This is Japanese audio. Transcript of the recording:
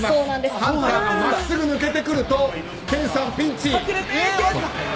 ハンターが真っすぐ抜けると健さん、ピンチ。